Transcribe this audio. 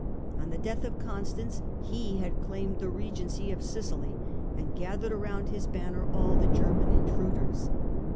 On the death of Constance he had claimed the regency of Sicily and gathered around his banner all the German intruders.